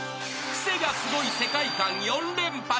［クセがスゴい世界観４連発。